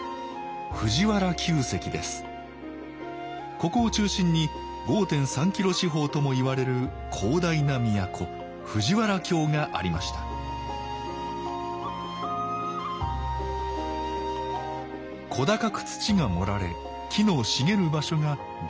ここを中心に５．３キロ四方ともいわれる広大な都藤原京がありました小高く土が盛られ木の茂る場所が大極殿院。